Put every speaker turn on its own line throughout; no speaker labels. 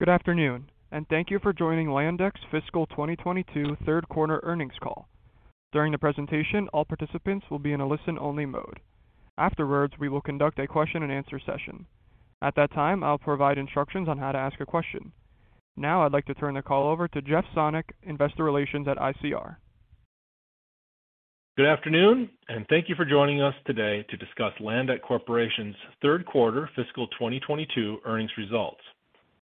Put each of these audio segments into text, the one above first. Good afternoon, and thank you for joining Landec's Fiscal 2022 Third Quarter Earnings Call. During the presentation, all participants will be in a listen-only mode. Afterwards, we will conduct a question and answer session. At that time, I'll provide instructions on how to ask a question. Now, I'd like to turn the call over to Jeff Sonnek, Investor Relations at ICR.
Good afternoon, and thank you for joining us today to discuss Landec Corporation's Third Quarter Fiscal 2022 Earnings Results.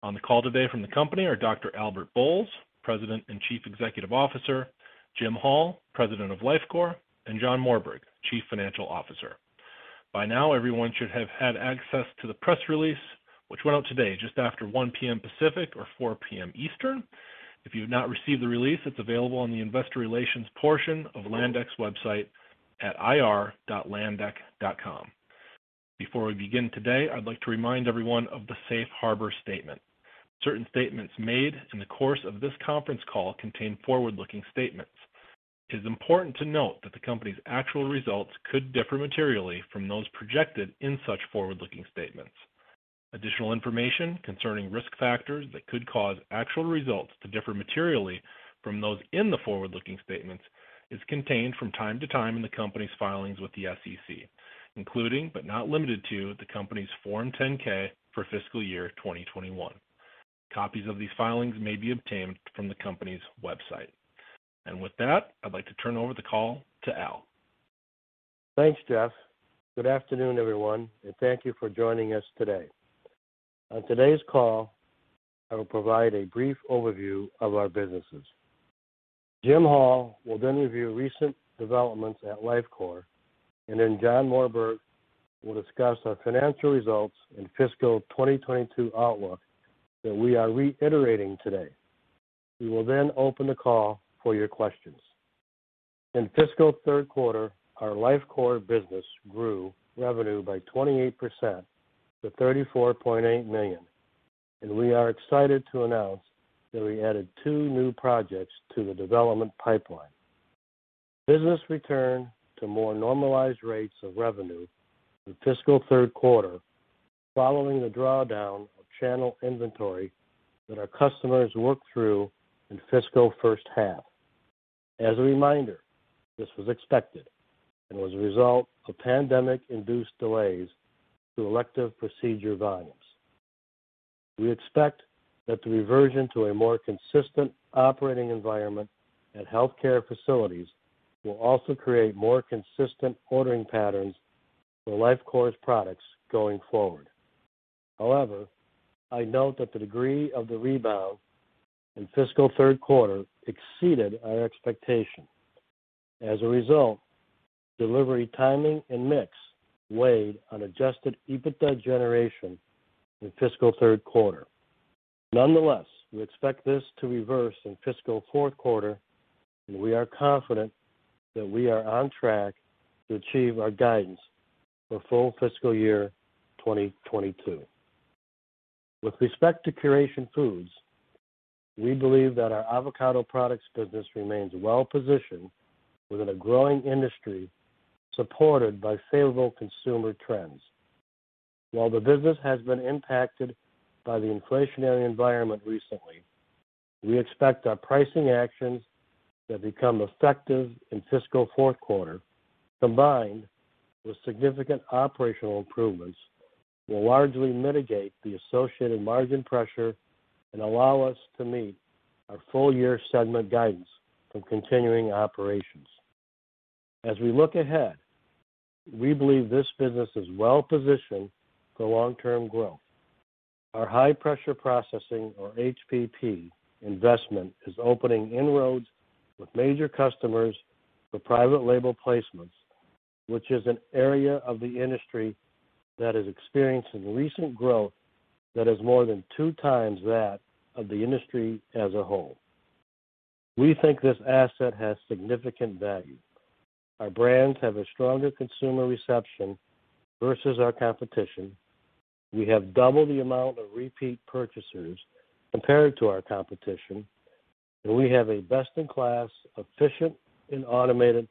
On the call today from the company are Dr. Albert Bolles, President and Chief Executive Officer, Jim Hall, President of Lifecore, and John Morberg, Chief Financial Officer. By now, everyone should have had access to the press release, which went out today just after 1 P.M. Pacific or 4 P.M. Eastern. If you have not received the release, it's available on the investor relations portion of Landec's website at ir.landec.com. Before we begin today, I'd like to remind everyone of the safe harbor statement. Certain statements made in the course of this conference call contain forward-looking statements. It is important to note that the company's actual results could differ materially from those projected in such forward-looking statements. Additional information concerning risk factors that could cause actual results to differ materially from those in the forward-looking statements is contained from time to time in the company's filings with the SEC, including, but not limited to, the company's Form 10-K for fiscal year 2021. Copies of these filings may be obtained from the company's website. With that, I'd like to turn over the call to Al.
Thanks, Jeff. Good afternoon, everyone, and thank you for joining us today. On today's call, I will provide a brief overview of our businesses. Jim Hall will then review recent developments at Lifecore, and then John Morberg will discuss our financial results and fiscal 2022 outlook that we are reiterating today. We will then open the call for your questions. In fiscal third quarter, our Lifecore business grew revenue by 28% to $34.8 million, and we are excited to announce that we added two new projects to the development pipeline. Business returned to more normalized rates of revenue in fiscal third quarter following the drawdown of channel inventory that our customers worked through in fiscal first half. As a reminder, this was expected and was a result of pandemic-induced delays to elective procedure volumes. We expect that the reversion to a more consistent operating environment at healthcare facilities will also create more consistent ordering patterns for Lifecore's products going forward. However, I note that the degree of the rebound in fiscal third quarter exceeded our expectation. As a result, delivery timing and mix weighed on Adjusted EBITDA generation in fiscal third quarter. Nonetheless, we expect this to reverse in fiscal fourth quarter, and we are confident that we are on track to achieve our guidance for full fiscal year 2022. With respect to Curation Foods, we believe that our avocado products business remains well-positioned within a growing industry supported by favorable consumer trends. While the business has been impacted by the inflationary environment recently, we expect our pricing actions that become effective in fiscal fourth quarter, combined with significant operational improvements, will largely mitigate the associated margin pressure and allow us to meet our full-year segment guidance from continuing operations. As we look ahead, we believe this business is well-positioned for long-term growth. Our high-pressure processing or HPP investment is opening inroads with major customers for private label placements, which is an area of the industry that is experiencing recent growth that is more than two times that of the industry as a whole. We think this asset has significant value. Our brands have a stronger consumer reception versus our competition. We have double the amount of repeat purchasers compared to our competition, and we have a best-in-class, efficient, and automated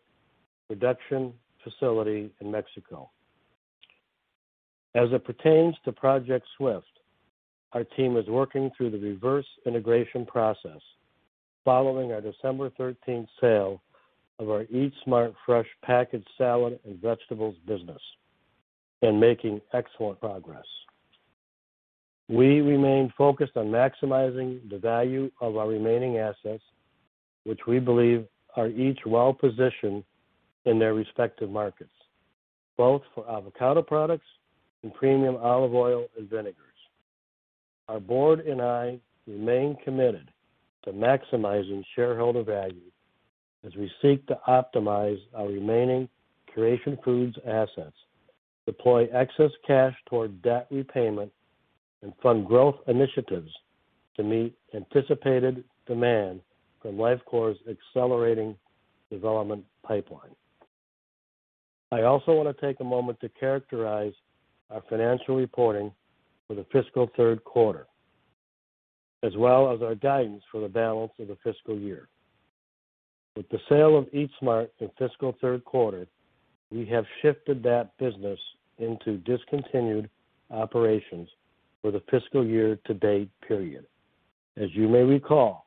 production facility in Mexico. As it pertains to Project SWIFT, our team is working through the reverse integration process following our December 13th sale of our Eat Smart fresh packaged salad and vegetables business and making excellent progress. We remain focused on maximizing the value of our remaining assets, which we believe are each well-positioned in their respective markets, both for avocado products and premium olive oil and vinegars. Our board and I remain committed to maximizing shareholder value as we seek to optimize our remaining Curation Foods assets, deploy excess cash toward debt repayment, and fund growth initiatives to meet anticipated demand from Lifecore's accelerating development pipeline. I also want to take a moment to characterize our financial reporting for the fiscal third quarter, as well as our guidance for the balance of the fiscal year. With the sale of Eat Smart in fiscal third quarter, we have shifted that business into discontinued operations for the fiscal year to date period. As you may recall,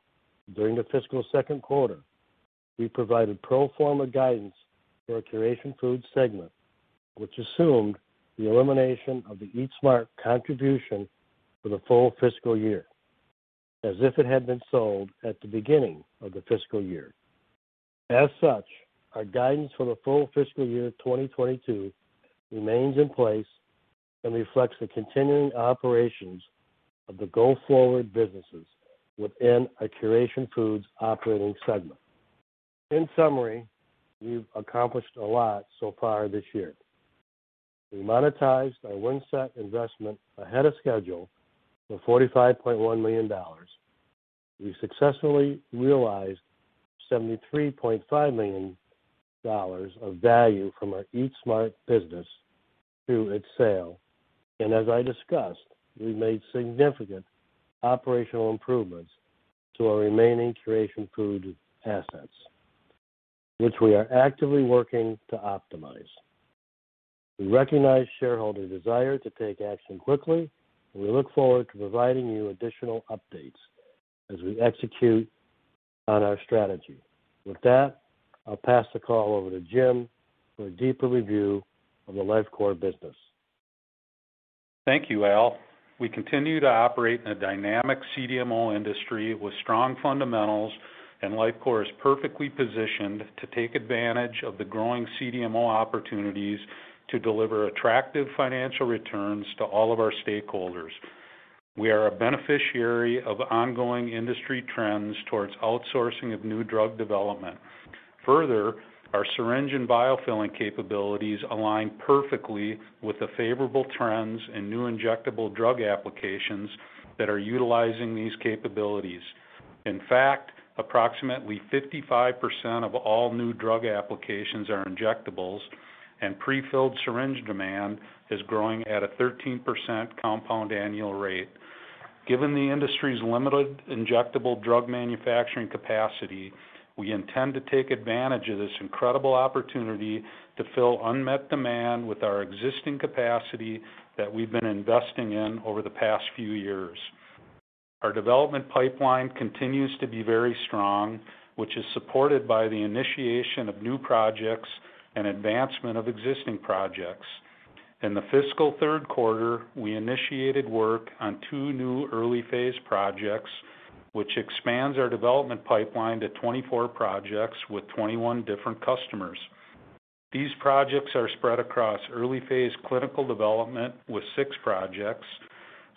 during the fiscal second quarter, we provided pro forma guidance for our Curation Foods segment, which assumed the elimination of the Eat Smart contribution for the full fiscal year as if it had been sold at the beginning of the fiscal year. As such, our guidance for the full fiscal year 2022 remains in place and reflects the continuing operations of the go-forward businesses within our Curation Foods operating segment. In summary, we've accomplished a lot so far this year. We monetized our Windset investment ahead of schedule for $45.1 million. We successfully realized $73.5 million of value from our Eat Smart business through its sale. As I discussed, we made significant operational improvements to our remaining Curation Foods assets, which we are actively working to optimize. We recognize shareholder desire to take action quickly, and we look forward to providing you additional updates as we execute on our strategy. With that, I'll pass the call over to Jim for a deeper review of the Lifecore business.
Thank you, Al. We continue to operate in a dynamic CDMO industry with strong fundamentals, and Lifecore is perfectly positioned to take advantage of the growing CDMO opportunities to deliver attractive financial returns to all of our stakeholders. We are a beneficiary of ongoing industry trends towards outsourcing of new drug development. Further, our syringe and vial filling capabilities align perfectly with the favorable trends in new injectable drug applications that are utilizing these capabilities. In fact, approximately 55% of all new drug applications are injectables, and prefilled syringe demand is growing at a 13% compound annual rate. Given the industry's limited injectable drug manufacturing capacity, we intend to take advantage of this incredible opportunity to fill unmet demand with our existing capacity that we've been investing in over the past few years. Our development pipeline continues to be very strong, which is supported by the initiation of new projects and advancement of existing projects. In the fiscal third quarter, we initiated work on two new early-phase projects, which expands our development pipeline to 24 projects with 21 different customers. These projects are spread across early phase clinical development with six projects,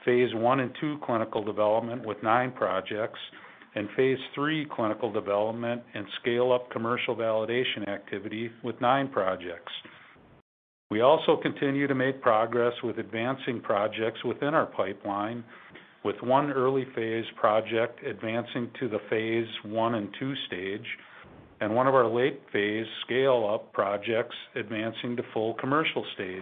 phase I and II clinical development with nine projects, and phase III clinical development and scale up commercial validation activity with nine projects. We also continue to make progress with advancing projects within our pipeline with one early phase project advancing to the phase I and II stage and one of our late phase scale-up projects advancing to full commercial stage.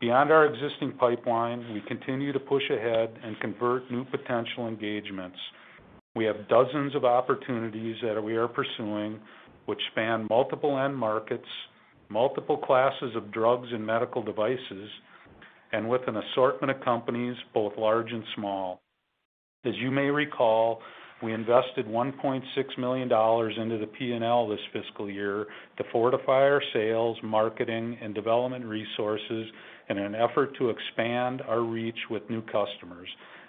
Beyond our existing pipeline, we continue to push ahead and convert new potential engagements. We have dozens of opportunities that we are pursuing which span multiple end markets, multiple classes of drugs and medical devices, and with an assortment of companies, both large and small. As you may recall, we invested $1.6 million into the P&L this fiscal year to fortify our sales, marketing, and development resources in an effort to expand our reach with new customers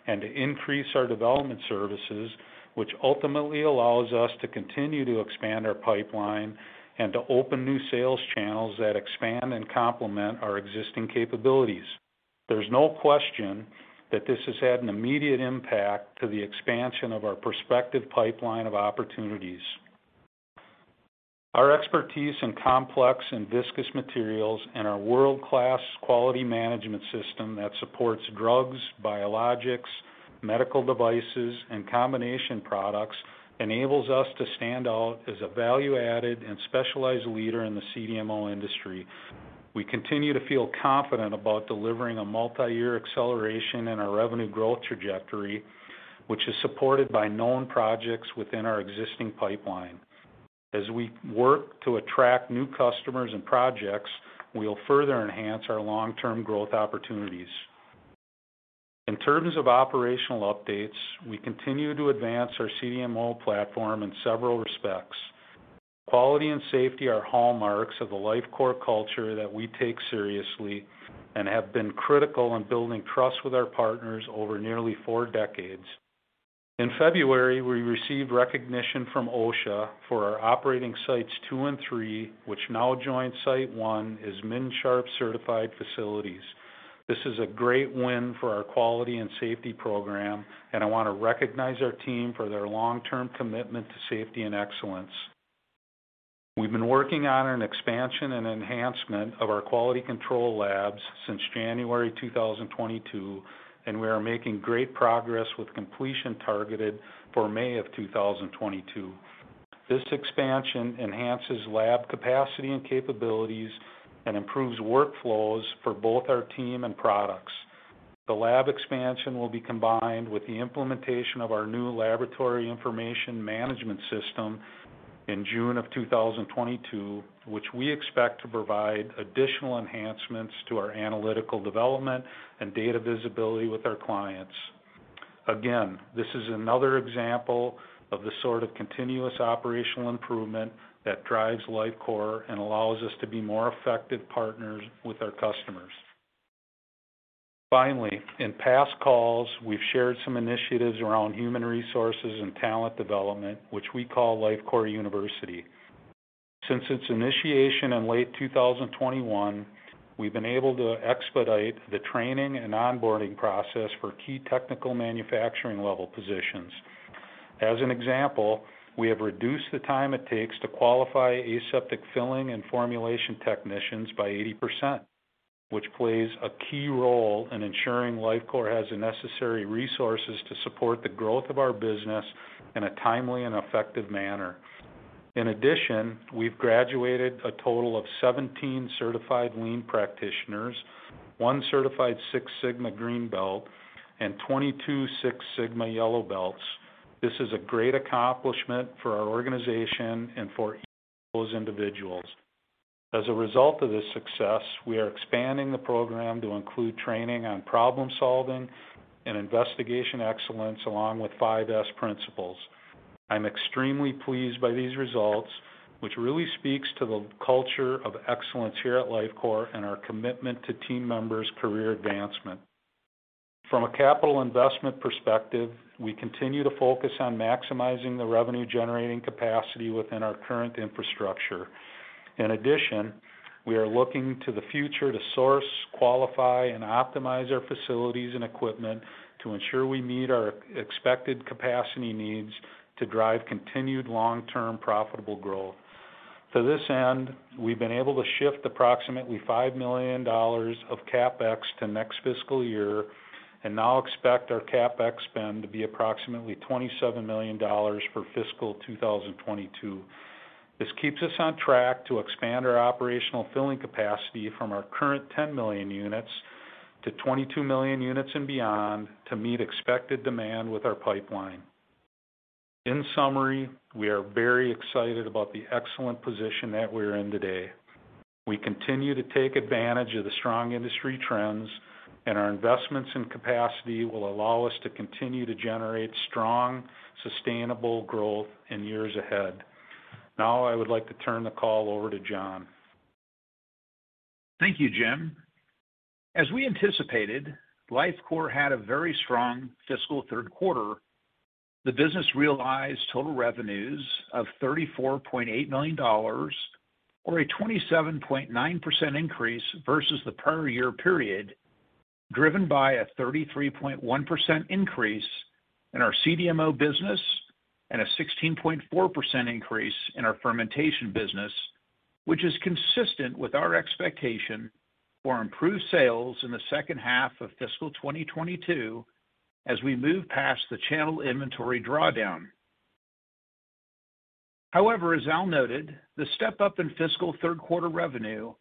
and to increase our development services, which ultimately allows us to continue to expand our pipeline and to open new sales channels that expand and complement our existing capabilities. There's no question that this has had an immediate impact to the expansion of our prospective pipeline of opportunities. Our expertise in complex and viscous materials and our world-class quality management system that supports drugs, biologics, medical devices, and combination products enables us to stand out as a value-added and specialized leader in the CDMO industry. We continue to feel confident about delivering a multi-year acceleration in our revenue growth trajectory, which is supported by known projects within our existing pipeline. As we work to attract new customers and projects, we'll further enhance our long-term growth opportunities. In terms of operational updates, we continue to advance our CDMO platform in several respects. Quality and safety are hallmarks of the Lifecore culture that we take seriously and have been critical in building trust with our partners over nearly four decades. In February, we received recognition from OSHA for our operating sites two and three, which now join site one as MNSHARP certified facilities. This is a great win for our quality and safety program, and I want to recognize our team for their long-term commitment to safety and excellence. We've been working on an expansion and enhancement of our quality control labs since January 2022, and we are making great progress with completion targeted for May 2022. This expansion enhances lab capacity and capabilities and improves workflows for both our team and products. The lab expansion will be combined with the implementation of our new laboratory information management system in June 2022, which we expect to provide additional enhancements to our analytical development and data visibility with our clients. Again, this is another example of the sort of continuous operational improvement that drives Lifecore and allows us to be more effective partners with our customers. Finally, in past calls, we've shared some initiatives around human resources and talent development, which we call Lifecore University. Since its initiation in late 2021, we've been able to expedite the training and onboarding process for key technical manufacturing level positions. As an example, we have reduced the time it takes to qualify aseptic filling and formulation technicians by 80%, which plays a key role in ensuring Lifecore has the necessary resources to support the growth of our business in a timely and effective manner. In addition, we've graduated a total of 17 certified lean practitioners, one certified Six Sigma Green Belt, and 22 Six Sigma Yellow Belts. This is a great accomplishment for our organization and for each of those individuals. As a result of this success, we are expanding the program to include training on problem-solving and investigation excellence along with Five S principles. I'm extremely pleased by these results, which really speaks to the culture of excellence here at Lifecore and our commitment to team members' career advancement. From a capital investment perspective, we continue to focus on maximizing the revenue-generating capacity within our current infrastructure. In addition, we are looking to the future to source, qualify, and optimize our facilities and equipment to ensure we meet our expected capacity needs to drive continued long-term profitable growth. To this end, we've been able to shift approximately $5 million of CapEx to next fiscal year and now expect our CapEx spend to be approximately $27 million for fiscal 2022. This keeps us on track to expand our operational filling capacity from our current 10 million units-22 million units and beyond to meet expected demand with our pipeline. In summary, we are very excited about the excellent position that we are in today. We continue to take advantage of the strong industry trends, and our investments in capacity will allow us to continue to generate strong, sustainable growth in years ahead. Now, I would like to turn the call over to John.
Thank you, Jim. As we anticipated, Lifecore had a very strong fiscal third quarter. The business realized total revenues of $34.8 million or a 27.9% increase versus the prior year period, driven by a 33.1% increase in our CDMO business and a 16.4% increase in our fermentation business, which is consistent with our expectation for improved sales in the second half of fiscal 2022 as we move past the channel inventory drawdown. However, as Al noted, the step-up in fiscal third quarter revenue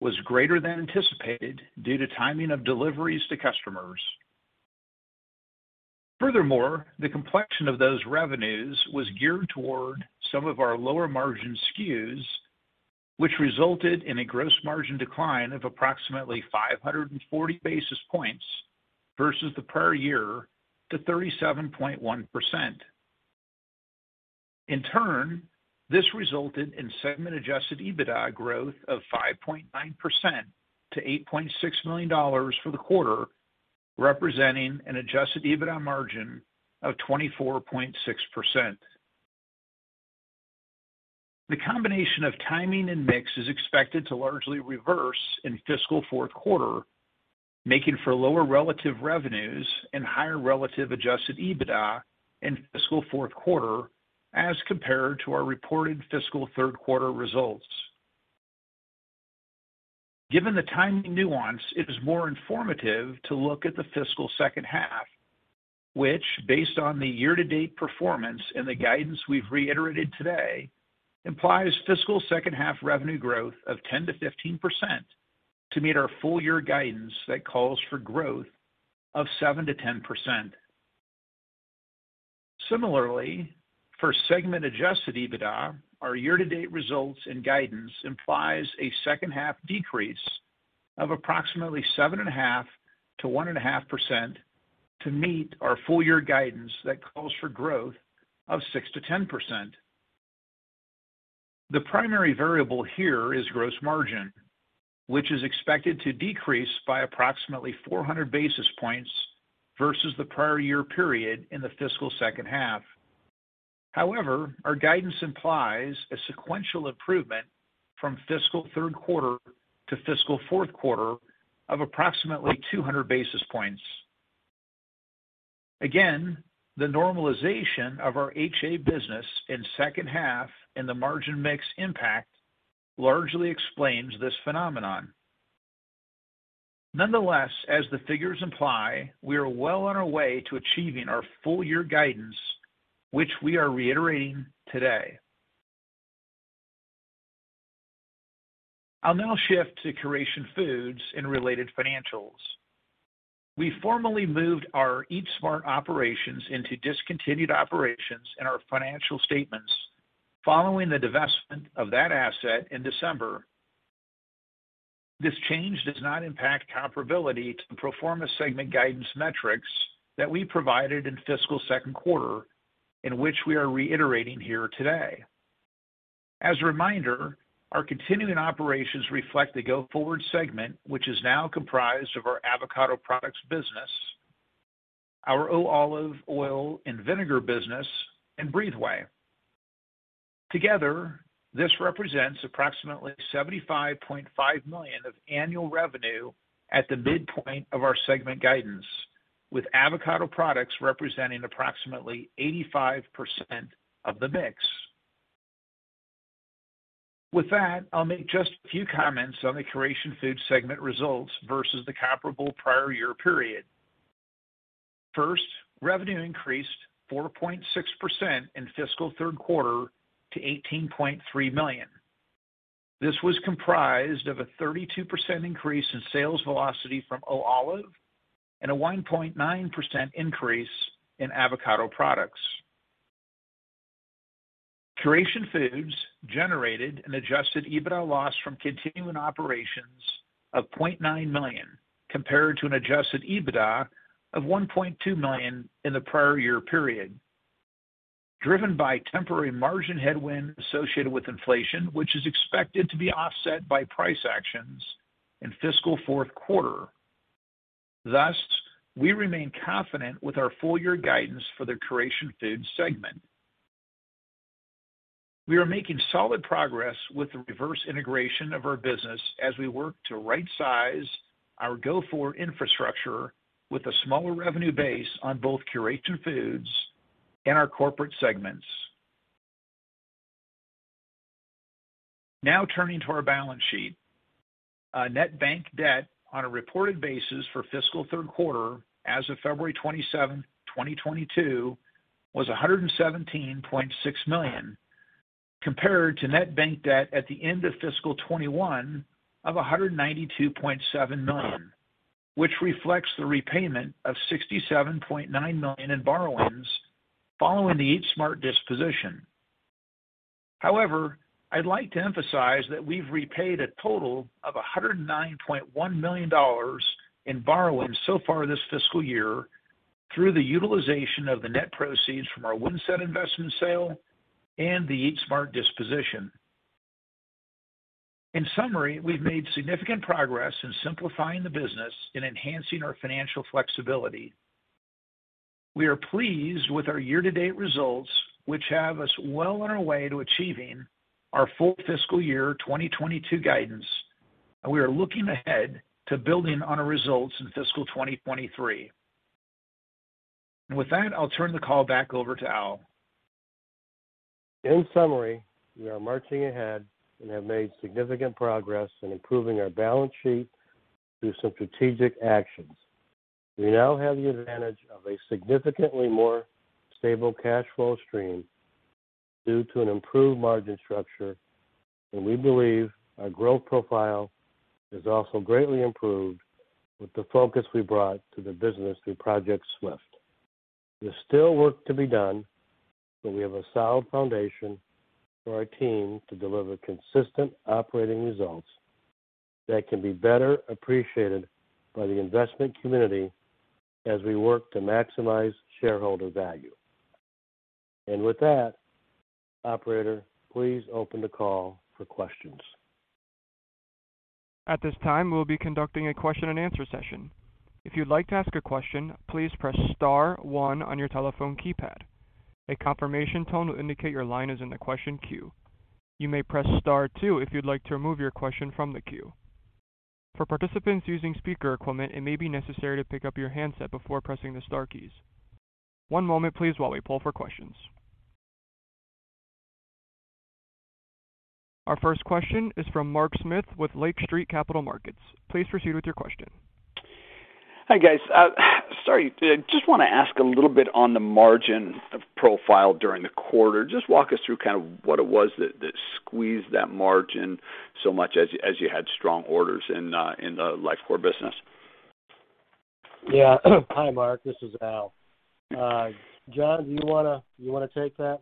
was greater than anticipated due to timing of deliveries to customers. Furthermore, the complexion of those revenues was geared toward some of our lower-margin SKUs, which resulted in a gross margin decline of approximately 540 basis points versus the prior year to 37.1%. In turn, this resulted in segment Adjusted EBITDA growth of 5.9% to $8.6 million for the quarter, representing an Adjusted EBITDA margin of 24.6%. The combination of timing and mix is expected to largely reverse in fiscal fourth quarter, making for lower relative revenues and higher relative Adjusted EBITDA in fiscal fourth quarter as compared to our reported fiscal third quarter results. Given the timing nuance, it is more informative to look at the fiscal second half, which based on the year-to-date performance and the guidance we've reiterated today, implies fiscal second half revenue growth of 10%-15% to meet our full year guidance that calls for growth of 7%-10%. Similarly, for segment Adjusted EBITDA, our year-to-date results and guidance implies a second half decrease of approximately 7.5%-1.5% to meet our full year guidance that calls for growth of 6%-10%. The primary variable here is gross margin, which is expected to decrease by approximately 400 basis points versus the prior year period in the fiscal second half. However, our guidance implies a sequential improvement from fiscal third quarter to fiscal fourth quarter of approximately 200 basis points. Again, the normalization of our HA business in second half and the margin mix impact largely explains this phenomenon. Nonetheless, as the figures imply, we are well on our way to achieving our full year guidance, which we are reiterating today. I'll now shift to Curation Foods and related financials. We formally moved our Eat Smart operations into discontinued operations in our financial statements following the divestment of that asset in December. This change does not impact comparability to the pro forma segment guidance metrics that we provided in fiscal second quarter, in which we are reiterating here today. As a reminder, our continuing operations reflect the go-forward segment, which is now comprised of our avocado products business, our O Olive Oil & Vinegar business, and BreatheWay. Together, this represents approximately $75.5 million of annual revenue at the midpoint of our segment guidance, with avocado products representing approximately 85% of the mix. With that, I'll make just a few comments on the Curation Foods segment results versus the comparable prior year period. First, revenue increased 4.6% in fiscal third quarter to $18.3 million. This was comprised of a 32% increase in sales velocity from O Olive and a 1.9% increase in avocado products. Curation Foods generated an Adjusted EBITDA loss from continuing operations of $0.9 million, compared to an Adjusted EBITDA of $1.2 million in the prior year period, driven by temporary margin headwind associated with inflation, which is expected to be offset by price actions in fiscal fourth quarter. Thus, we remain confident with our full year guidance for the Curation Foods segment. We are making solid progress with the reverse integration of our business as we work to right size our go-forward infrastructure with a smaller revenue base on both Curation Foods and our corporate segments. Now turning to our balance sheet. Our net bank debt on a reported basis for fiscal third quarter as of February 27, 2022, was $117.6 million, compared to net bank debt at the end of fiscal 2021 of $192.7 million, which reflects the repayment of $67.9 million in borrowings following the Eat Smart disposition. However, I'd like to emphasize that we've repaid a total of $109.1 million in borrowings so far this fiscal year through the utilization of the net proceeds from our Windset investment sale and the Eat Smart disposition. In summary, we've made significant progress in simplifying the business and enhancing our financial flexibility. We are pleased with our year-to-date results, which have us well on our way to achieving our full fiscal year 2022 guidance, and we are looking ahead to building on our results in fiscal 2023. With that, I'll turn the call back over to Al.
In summary, we are marching ahead and have made significant progress in improving our balance sheet through some strategic actions. We now have the advantage of a significantly more stable cash flow stream due to an improved margin structure, and we believe our growth profile is also greatly improved with the focus we brought to the business through Project SWIFT. There's still work to be done, but we have a solid foundation for our team to deliver consistent operating results that can be better appreciated by the investment community as we work to maximize shareholder value. With that, operator, please open the call for questions.
At this time, we'll be conducting a question and answer session. If you'd like to ask a question, please press star one on your telephone keypad. A confirmation tone will indicate your line is in the question queue. You may press star two if you'd like to remove your question from the queue. For participants using speaker equipment, it may be necessary to pick up your handset before pressing the star keys. One moment please while we pull for questions. Our first question is from Mark Smith with Lake Street Capital Markets. Please proceed with your question.
Hi, guys. Sorry, just wanna ask a little bit on the margin profile during the quarter. Just walk us through kind of what it was that squeezed that margin so much as you had strong orders in the Lifecore business.
Yeah. Hi, Mark. This is Al. John, do you wanna take that?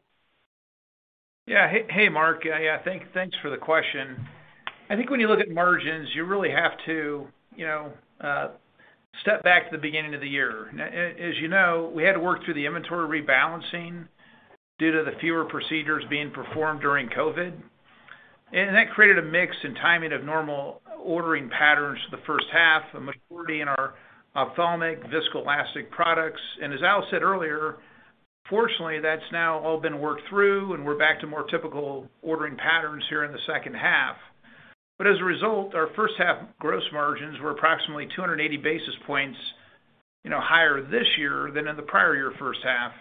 Hey, Mark. Thanks for the question. I think when you look at margins, you really have to, you know, step back to the beginning of the year. As you know, we had to work through the inventory rebalancing due to the fewer procedures being performed during COVID. That created a mix and timing of normal ordering patterns for the first half, a majority in our ophthalmic viscoelastic products. As Al said earlier, fortunately, that's now all been worked through and we're back to more typical ordering patterns here in the second half. As a result, our first half gross margins were approximately 280 basis points, you know, higher this year than in the prior year first half.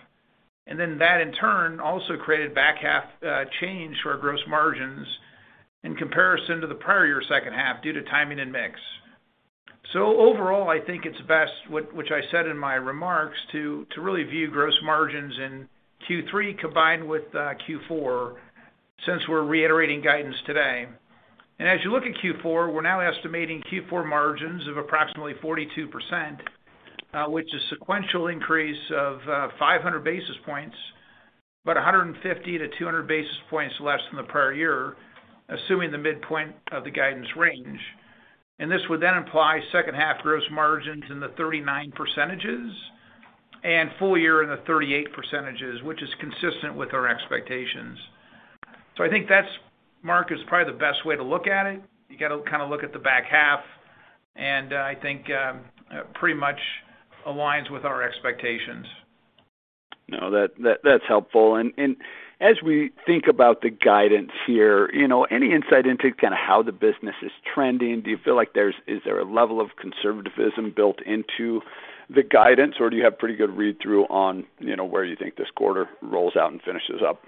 Then that in turn also created back half change to our gross margins in comparison to the prior year second half due to timing and mix. So overall, I think it's best, which I said in my remarks to really view gross margins in Q3 combined with Q4, since we're reiterating guidance today. As you look at Q4, we're now estimating Q4 margins of approximately 42%, which is sequential increase of 500 basis points, but 150 basis points-200 basis points less than the prior year, assuming the midpoint of the guidance range. This would then imply second half gross margins in the 39% and full year in the 38%, which is consistent with our expectations. I think that's, Mark, is probably the best way to look at it. You got to kind of look at the back half, and I think, pretty much aligns with our expectations.
No, that's helpful. As we think about the guidance here, you know, any insight into kind of how the business is trending? Do you feel like there's a level of conservatism built into the guidance, or do you have pretty good read-through on, you know, where you think this quarter rolls out and finishes up?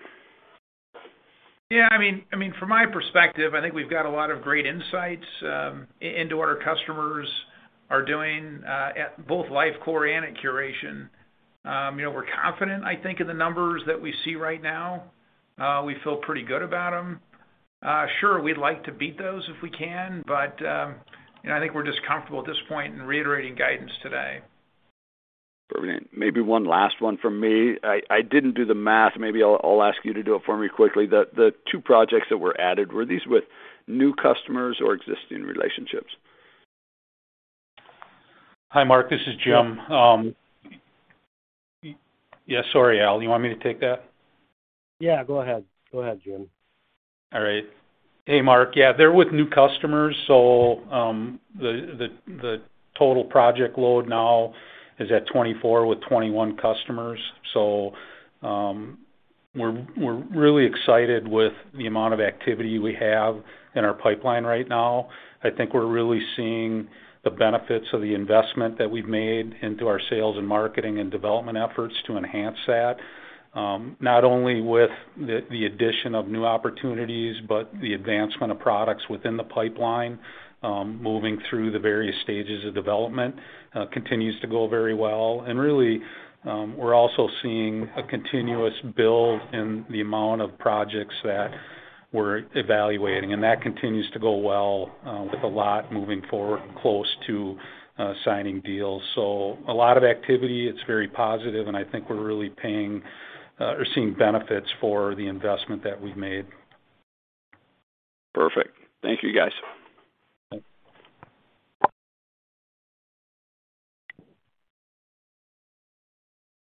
Yeah, I mean, from my perspective, I think we've got a lot of great insights into what our customers are doing at both Lifecore and at Curation. You know, we're confident, I think, in the numbers that we see right now. We feel pretty good about them. Sure, we'd like to beat those if we can, but you know, I think we're just comfortable at this point in reiterating guidance today.
Maybe one last one from me. I didn't do the math. Maybe I'll ask you to do it for me quickly. The two projects that were added, were these with new customers or existing relationships?
Hi, Mark, this is Jim. Yeah, sorry, Al, you want me to take that?
Yeah, go ahead. Go ahead, Jim.
All right. Hey, Mark. Yeah, they're with new customers. The total project load now is at 24 with 21 customers. We're really excited with the amount of activity we have in our pipeline right now. I think we're really seeing the benefits of the investment that we've made into our sales and marketing and development efforts to enhance that, not only with the addition of new opportunities, but the advancement of products within the pipeline moving through the various stages of development continues to go very well. Really, we're also seeing a continuous build in the amount of projects that we're evaluating, and that continues to go well with a lot moving forward close to signing deals. A lot of activity, it's very positive, and I think we're really paying or seeing benefits for the investment that we've made.
Perfect. Thank you, guys.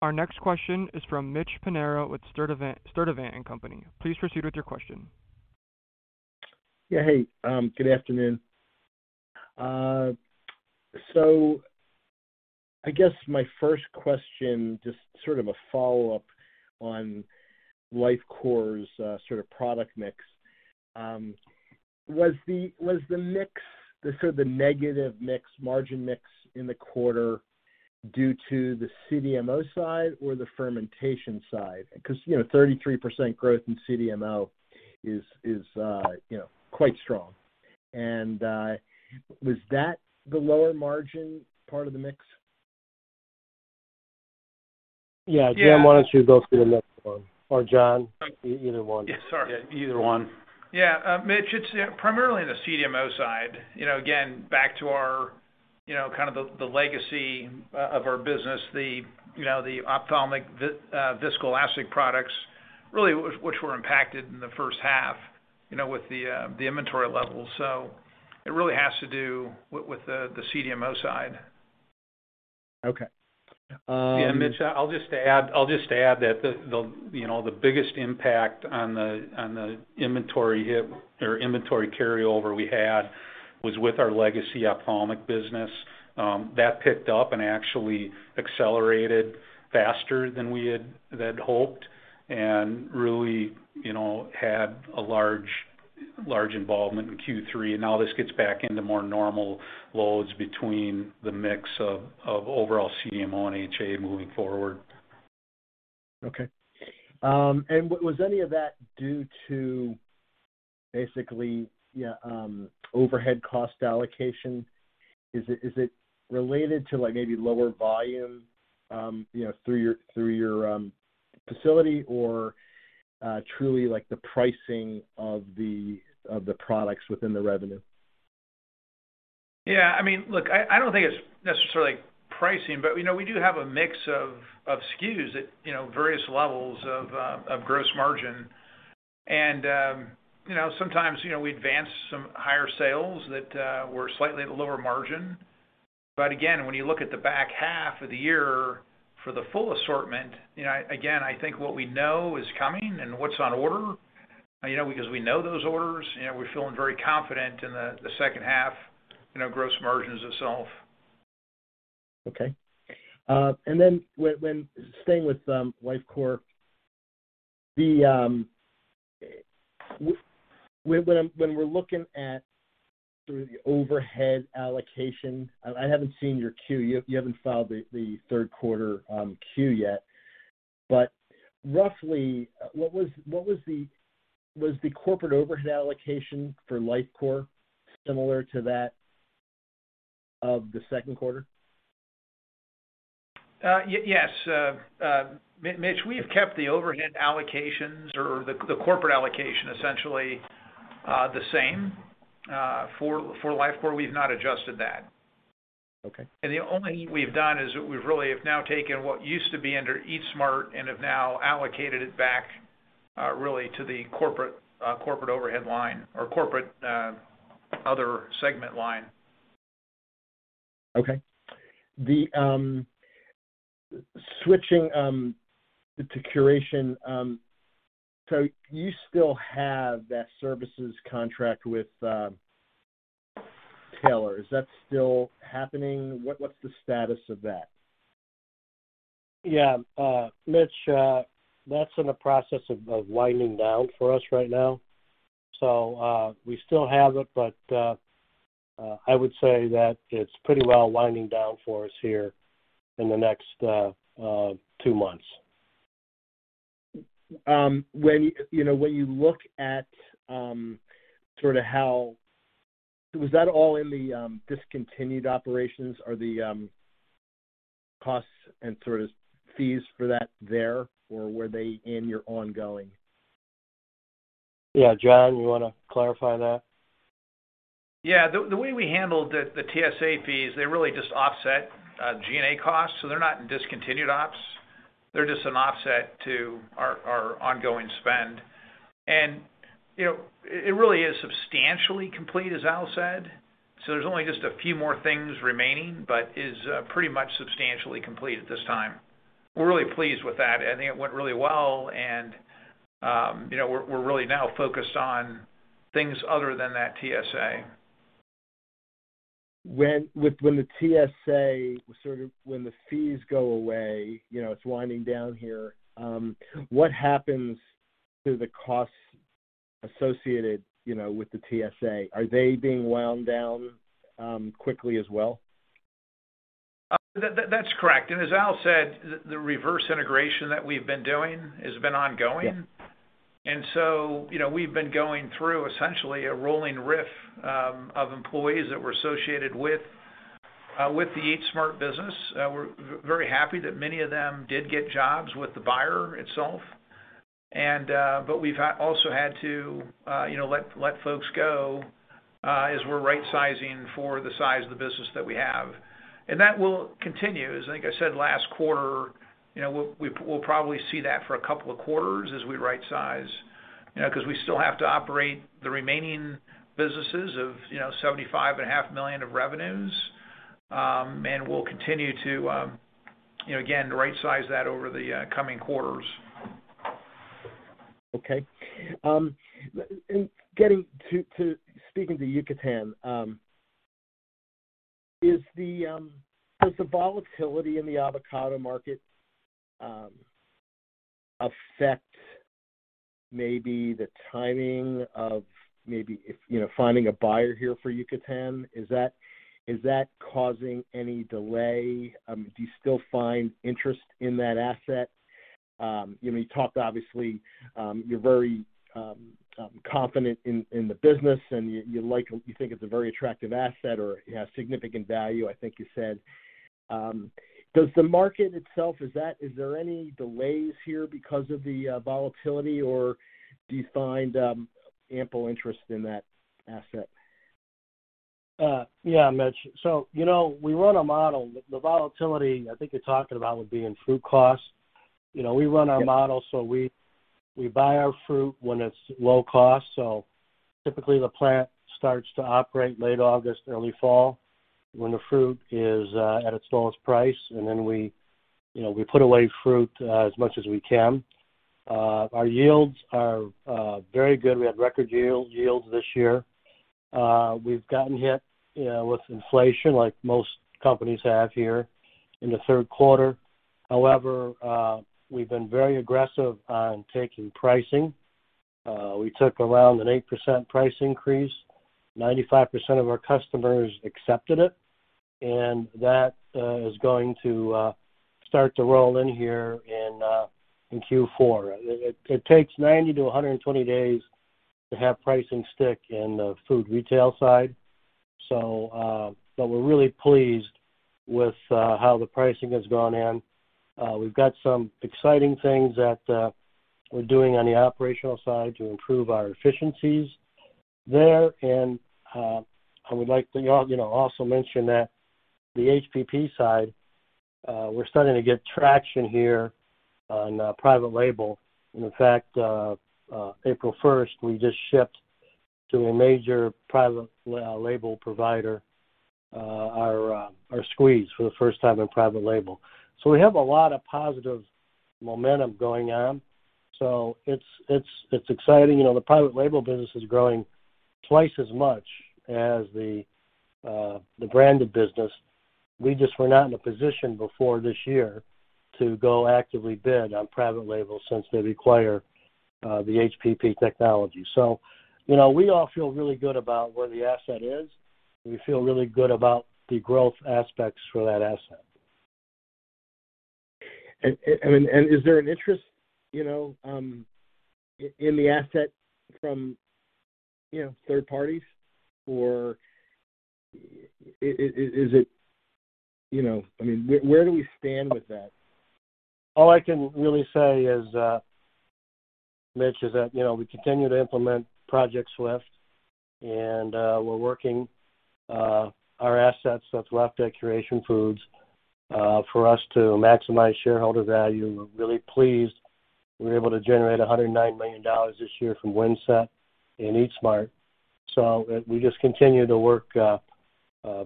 Our next question is from Mitch Pinheiro with Sturdivant & Company. Please proceed with your question.
Yeah, hey, good afternoon. So I guess my first question, just sort of a follow-up on Lifecore's sort of product mix. Was the mix, sort of the negative mix, margin mix in the quarter due to the CDMO side or the fermentation side? Because, you know, 33% growth in CDMO is, you know, quite strong. Was that the lower margin part of the mix?
Yeah. Jim, why don't you go through the next one or John? Either one.
Yeah, sorry.
Yeah, either one.
Mitch, it's primarily in the CDMO side. You know, again, back to our, you know, kind of the legacy of our business, the, you know, the ophthalmic viscoelastic products, really, which were impacted in the first half, you know, with the inventory levels. It really has to do with the CDMO side.
Okay.
Yeah, Mitch, I'll just add that the, you know, the biggest impact on the inventory hit or inventory carryover we had was with our legacy ophthalmic business. That picked up and actually accelerated faster than we had hoped and really, you know, had a large involvement in Q3. Now this gets back into more normal loads between the mix of overall CDMO and HA moving forward.
Okay. Was any of that due to basically, yeah, overhead cost allocation? Is it related to, like, maybe lower volume, you know, through your facility or, truly like the pricing of the products within the revenue?
Yeah, I mean, look, I don't think it's necessarily pricing, but you know, we do have a mix of SKUs at you know, various levels of gross margin. You know, sometimes you know, we advance some higher sales that were slightly lower margin. Again, when you look at the back half of the year for the full assortment, you know, again, I think what we know is coming and what's on order, you know, because we know those orders, you know, we're feeling very confident in the second half, you know, gross margins itself.
Okay. When staying with Lifecore, when we're looking at sort of the overhead allocation, I haven't seen your Q. You haven't filed the third quarter Q yet. Roughly, what was the corporate overhead allocation for Lifecore similar to that of the second quarter?
Yes. Mitch, we have kept the overhead allocations or the corporate allocation essentially for Lifecore. We've not adjusted that.
Okay.
The only thing we've done is we've really now taken what used to be under Eat Smart and have now allocated it back, really to the corporate overhead line or corporate other segment line.
Okay. The switching to Curation, so you still have that services contract with Taylor. Is that still happening? What's the status of that?
Yeah. Mitch, that's in the process of winding down for us right now. We still have it, but I would say that it's pretty well winding down for us here in the next two months.
Was that all in the discontinued operations? Are the costs and sort of fees for that there, or were they in your ongoing?
Yeah. John, you wanna clarify that?
Yeah. The way we handled the TSA fees, they really just offset G&A costs, so they're not in discontinued ops. They're just an offset to our ongoing spend. You know, it really is substantially complete, as Al said. There's only just a few more things remaining, but it is pretty much substantially complete at this time. We're really pleased with that. I think it went really well, and you know, we're really now focused on things other than that TSA.
When the TSA sort of, when the fees go away, you know, it's winding down here, what happens to the costs associated, you know, with the TSA? Are they being wound down, quickly as well?
That's correct. As Al said, the reverse integration that we've been doing has been ongoing.
Yeah.
You know, we've been going through essentially a rolling riff of employees that were associated with the Eat Smart business. We're very happy that many of them did get jobs with the buyer itself. But we've also had to you know let folks go as we're rightsizing for the size of the business that we have. That will continue. As I think I said last quarter, you know, we'll probably see that for a couple of quarters as we rightsize, you know, 'cause we still have to operate the remaining businesses of you know $75.5 million of revenues. And we'll continue to you know again rightsize that over the coming quarters.
Okay. Getting to speaking to Yucatan, does the volatility in the avocado market affect maybe the timing of maybe if, you know, finding a buyer here for Yucatan? Is that causing any delay? Do you still find interest in that asset? You know, you talked obviously, you're very confident in the business and you think it's a very attractive asset or it has significant value, I think you said. Does the market itself, is there any delays here because of the volatility, or do you find ample interest in that asset?
Yeah, Mitch. You know, we run a model. The volatility I think you're talking about would be in fruit costs. You know, we run our models, so we buy our fruit when it's low cost. Typically, the plant starts to operate late August, early fall, when the fruit is at its lowest price. Then you know, we put away fruit as much as we can. Our yields are very good. We had record yields this year. We've gotten hit with inflation like most companies have here in the third quarter. However, we've been very aggressive on taking pricing. We took around an 8% price increase. 95% of our customers accepted it. That is going to start to roll in here in Q4. It takes 90 days-120 days to have pricing stick in the food retail side. We're really pleased with how the pricing has gone in. We've got some exciting things that we're doing on the operational side to improve our efficiencies there. I would like to, you know, also mention that the HPP side, we're starting to get traction here on private label. In fact, April 1st, we just shipped to a major private label provider our squeeze for the first time in private label. We have a lot of positive momentum going on. It's exciting. You know, the private label business is growing twice as much as the branded business. We just were not in a position before this year to go actively bid on private labels since they require the HPP technology. You know, we all feel really good about where the asset is. We feel really good about the growth aspects for that asset.
Is there an interest, you know, in the asset from, you know, third parties? Or is it, you know, I mean, where do we stand with that?
All I can really say is, Mitch, is that, you know, we continue to implement Project SWIFT, and we're working our assets that's left at Curation Foods for us to maximize shareholder value. We're really pleased we were able to generate $109 million this year from Windset and Eat Smart. We just continue to work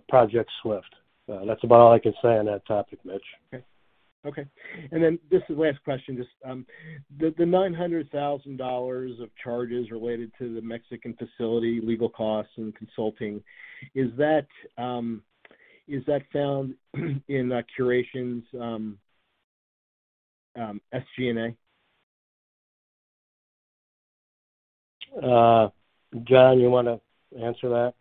Project SWIFT. That's about all I can say on that topic, Mitch.
Just the last question, just the $900,000 of charges related to the Mexican facility, legal costs and consulting, is that found in Curation's SG&A?
John, you wanna answer that?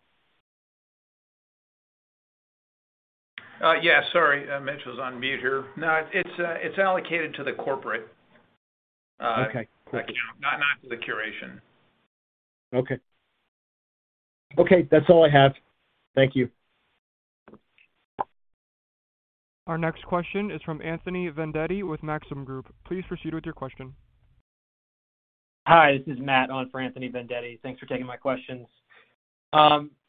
Yeah. Sorry, Mitch was on mute here. No, it's allocated to the corporate.
Okay, great.
Account, not to the Curation.
Okay. Okay, that's all I have. Thank you.
Our next question is from Anthony Vendetti with Maxim Group. Please proceed with your question.
Hi, this is Matt on for Anthony Vendetti. Thanks for taking my questions.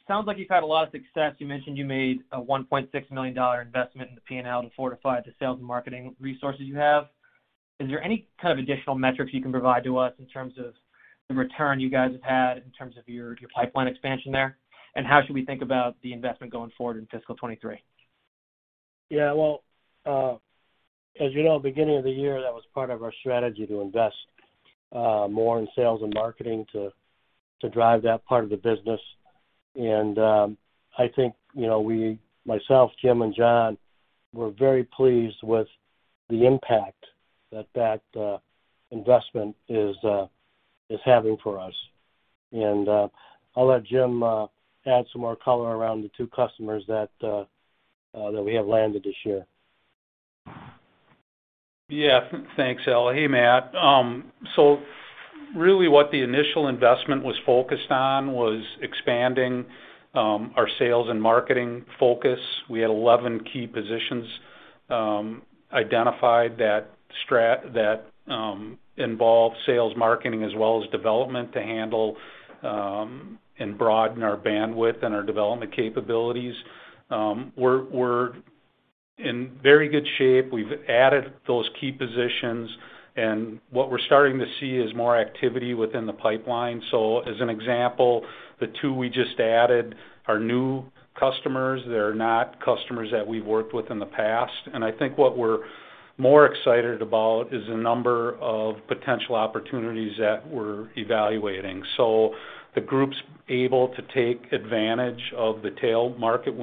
Sounds like you've had a lot of success. You mentioned you made a $1.6 million investment in the P&L to fortify the sales and marketing resources you have. Is there any kind of additional metrics you can provide to us in terms of the return you guys have had in terms of your pipeline expansion there? How should we think about the investment going forward in fiscal 2023?
Yeah. Well, as you know, beginning of the year, that was part of our strategy to invest more in sales and marketing to drive that part of the business. I think, you know, we, myself, Jim and John, we're very pleased with the impact that investment is having for us. I'll let Jim add some more color around the two customers that we have landed this year.
Yeah. Thanks, Al. Hey, Matt. Really what the initial investment was focused on was expanding our sales and marketing focus. We had 11 key positions identified that involved sales marketing as well as development to handle and broaden our bandwidth and our development capabilities. We're in very good shape. We've added those key positions, and what we're starting to see is more activity within the pipeline. As an example, the two we just added are new customers. They're not customers that we've worked with in the past. I think what we're more excited about is the number of potential opportunities that we're evaluating. The group's able to take advantage of the market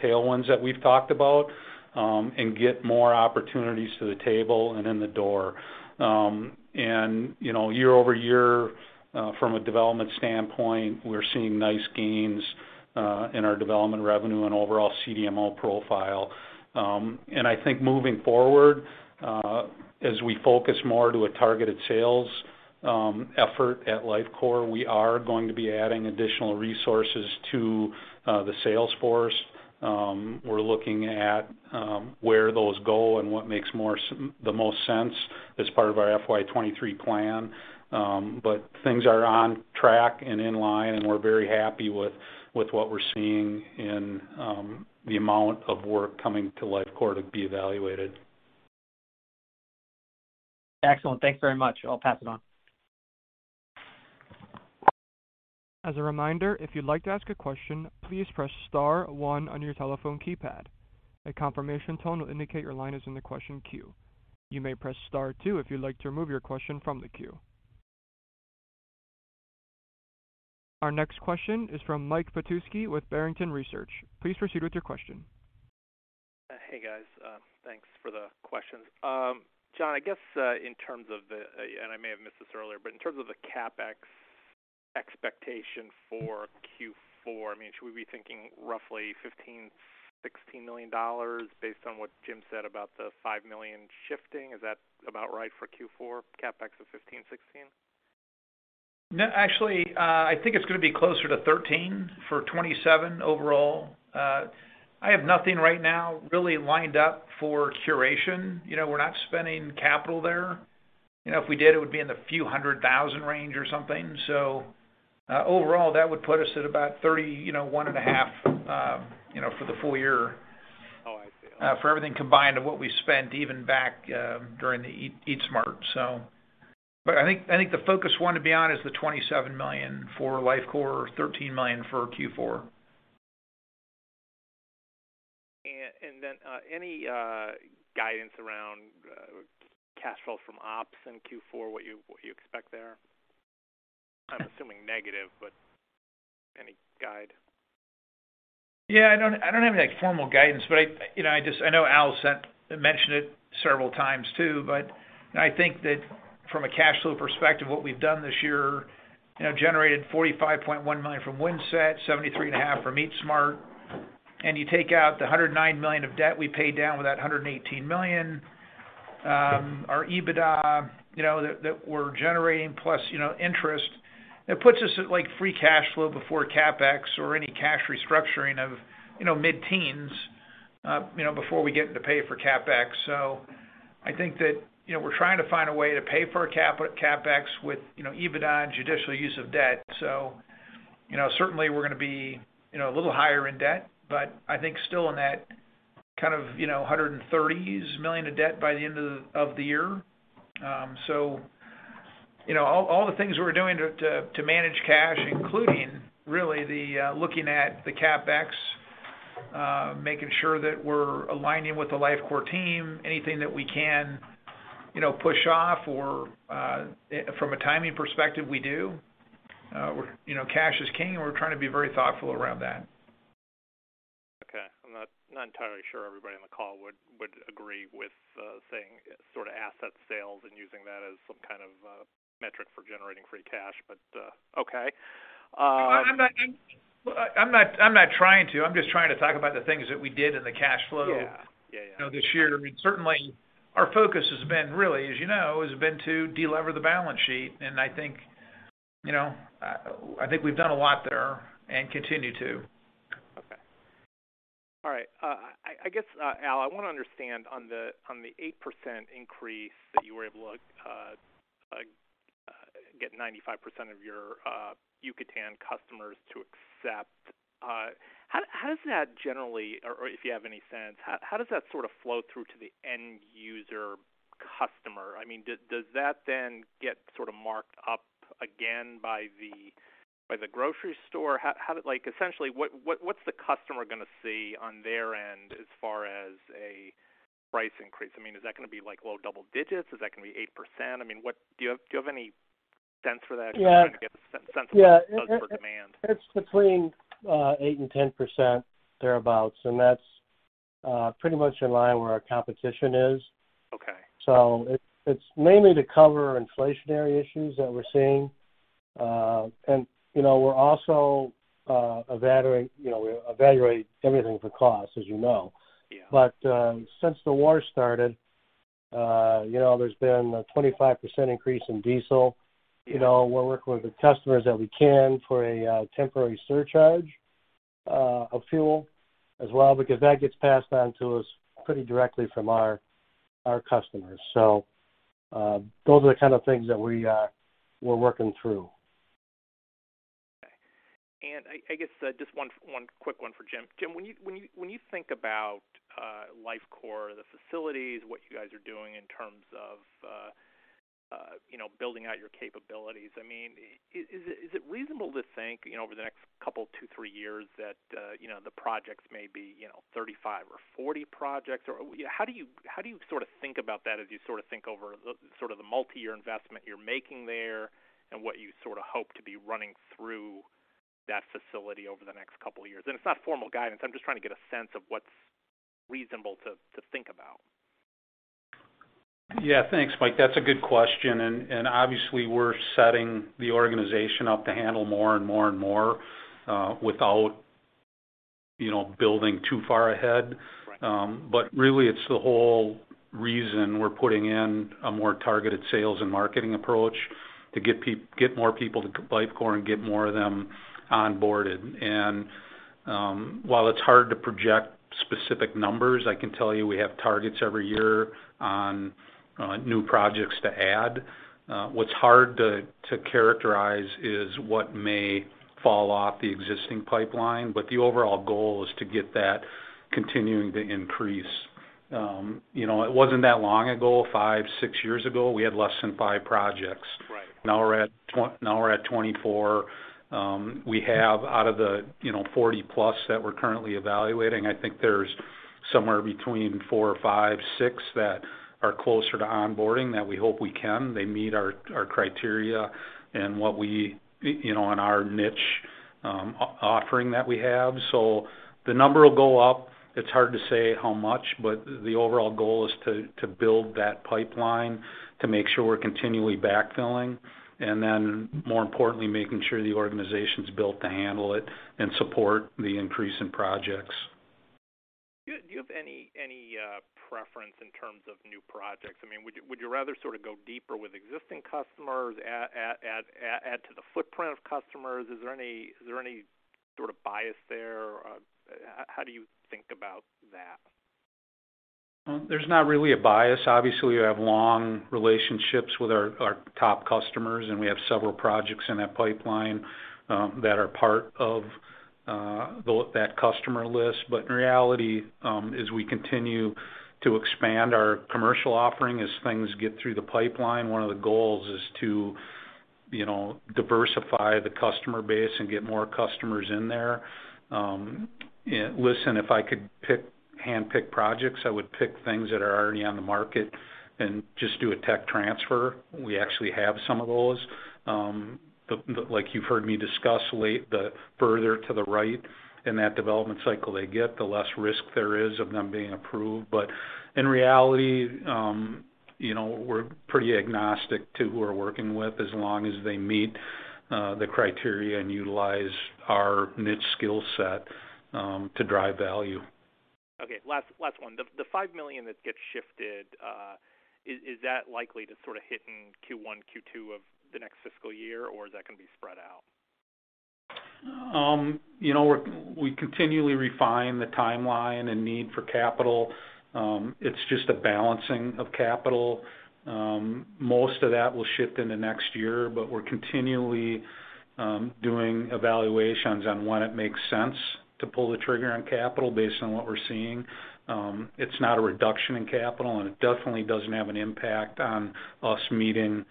tailwinds that we've talked about and get more opportunities to the table and in the door. You know, year-over-year, from a development standpoint, we're seeing nice gains in our development revenue and overall CDMO profile. I think moving forward, as we focus more to a targeted sales effort at Lifecore, we are going to be adding additional resources to the sales force. We're looking at where those go and what makes the most sense as part of our FY 2023 plan. Things are on track and in line, and we're very happy with what we're seeing in the amount of work coming to Lifecore to be evaluated.
Excellent. Thanks very much. I'll pass it on.
As a reminder, if you'd like to ask a question, please press star one on your telephone keypad. A confirmation tone will indicate your line is in the question queue. You may press star two if you'd like to remove your question from the queue. Our next question is from Mike Petusky with Barrington Research. Please proceed with your question.
Hey, guys. Thanks for the questions. John, I guess, in terms of the CapEx expectation for Q4, I mean, should we be thinking roughly $15 million-$16 million based on what Jim said about the $5 million shifting? Is that about right for Q4, CapEx of $15 million-$16 million?
No, actually, I think it's gonna be closer to $13 million for $27 million overall. I have nothing right now really lined up for Curation. You know, we're not spending capital there. You know, if we did, it would be in the few hundred thousand range or something. Overall, that would put us at about $30 million, you know, $1.5 million, you know, for the full year.
Oh, I see.
For everything combined of what we spent even back during the Eat Smart. I think the focus we wanna be on is the $27 million for Lifecore, $13 million for Q4.
Any guidance around cash flow from ops in Q4, what you expect there? I'm assuming negative, but any guide?
I don't have any formal guidance, but you know, I know Al mentioned it several times too, but I think that from a cash flow perspective, what we've done this year, you know, generated $45.1 million from Windset, $73.5 from Eat Smart, and you take out the $109 million of debt we paid down with that $118 million, our EBITDA, you know, that we're generating plus, you know, interest, it puts us at, like, free cash flow before CapEx or any cash restructuring of, you know, mid-teens, you know, before we get to pay for CapEx. I think that, you know, we're trying to find a way to pay for our CapEx with, you know, EBITDA and judicious use of debt. Certainly we're gonna be a little higher in debt, but I think still in that kind of $130 million of debt by the end of the year. You know, all the things we're doing to manage cash, including really the looking at the CapEx, making sure that we're aligning with the Lifecore team, anything that we can push off or from a timing perspective, we do. You know, cash is king, and we're trying to be very thoughtful around that.
Okay. I'm not entirely sure everybody on the call would agree with saying sort of asset sales and using that as some kind of metric for generating free cash, but okay.
Well, I'm not trying to. I'm just trying to talk about the things that we did in the cash flow.
Yeah. Yeah, yeah.
You know, this year. I mean, certainly our focus has been really, as you know, to de-lever the balance sheet. I think, you know, we've done a lot there and continue to.
Okay. All right. I guess, Al, I want to understand on the 8% increase that you were able to get 95% of your Yucatan customers to accept, how does that generally? Or if you have any sense, how does that sort of flow through to the end user customer? I mean, does that then get sort of marked up again by the grocery store? How? Like, essentially, what's the customer going to see on their end as far as a price increase? I mean, is that going to be like low double digits? Is that going to be 8%? I mean, what? Do you have any sense for that?
Yeah.
I'm trying to get a sense of what it does for demand.
It's between 8% and 10% thereabout. That's pretty much in line where our competition is.
Okay.
It's mainly to cover inflationary issues that we're seeing. You know, we're also, you know, we evaluate everything for cost, as you know.
Yeah.
Since the war started, you know, there's been a 25% increase in diesel. You know, we're working with the customers that we can for a temporary surcharge of fuel as well because that gets passed on to us pretty directly from our customers. Those are the kind of things that we're working through.
Okay. I guess just one quick one for Jim. Jim, when you think about Lifecore, the facilities, what you guys are doing in terms of you know, building out your capabilities, I mean, is it reasonable to think you know, over the next couple, two, three years that you know, the projects may be you know, 35 or 40 projects? Or how do you sort of think about that as you sort of think over the sort of the multi-year investment you're making there and what you sort of hope to be running through that facility over the next couple of years? It's not formal guidance. I'm just trying to get a sense of what's reasonable to think about.
Yeah. Thanks, Mike. That's a good question. Obviously we're setting the organization up to handle more and more, without, you know, building too far ahead. Really it's the whole reason we're putting in a more targeted sales and marketing approach to get more people to Lifecore and get more of them onboarded. While it's hard to project specific numbers, I can tell you we have targets every year on new projects to add. What's hard to characterize is what may fall off the existing pipeline, but the overall goal is to get that continuing to increase. You know, it wasn't that long ago, five, six years ago, we had less than five projects.
Right.
Now we're at 24. We have out of the, you know, 40+ that we're currently evaluating, I think there's somewhere between four or five, six that are closer to onboarding that we hope we can. They meet our criteria and what we, you know, in our niche, offering that we have. The number will go up. It's hard to say how much, but the overall goal is to build that pipeline, to make sure we're continually backfilling, and then more importantly, making sure the organization's built to handle it and support the increase in projects.
Do you have any preference in terms of new projects? I mean, would you rather sort of go deeper with existing customers, add to the footprint of customers? Is there any sort of bias there? How do you think about that?
There's not really a bias. Obviously, we have long relationships with our top customers, and we have several projects in that pipeline that are part of that customer list. In reality, as we continue to expand our commercial offering, as things get through the pipeline, one of the goals is to, you know, diversify the customer base and get more customers in there. Listen, if I could handpick projects, I would pick things that are already on the market and just do a tech transfer. We actually have some of those. Like you've heard me discuss lately, the further to the right in that development cycle they get, the less risk there is of them being approved. In reality, you know, we're pretty agnostic to who we're working with as long as they meet the criteria and utilize our niche skill set to drive value.
Okay. Last one. The $5 million that gets shifted, is that likely to sort of hit in Q1, Q2 of the next fiscal year, or is that gonna be spread out?
You know, we continually refine the timeline and need for capital. It's just a balancing of capital. Most of that will shift into next year, but we're continually doing evaluations on when it makes sense to pull the trigger on capital based on what we're seeing. It's not a reduction in capital, and it definitely doesn't have an impact on us meeting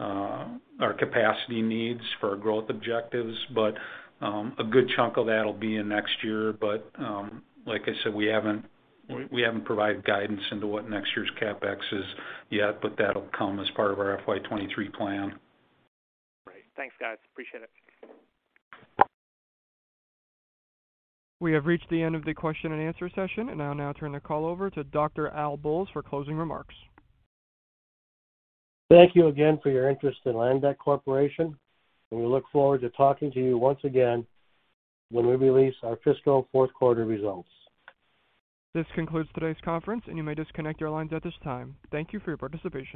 our capacity needs for our growth objectives. A good chunk of that will be in next year. Like I said, we haven't provided guidance into what next year's CapEx is yet, but that'll come as part of our FY 2023 plan.
Great. Thanks, guys. Appreciate it.
We have reached the end of the question and answer session and I'll now turn the call over to Dr. Al Bolles for closing remarks.
Thank you again for your interest in Landec Corporation, and we look forward to talking to you once again when we release our fiscal fourth quarter results.
This concludes today's conference, and you may disconnect your lines at this time. Thank you for your participation.